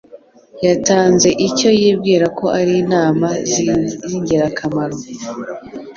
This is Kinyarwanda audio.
yatanze icyo yibwira ko ari inama zingirakamaro.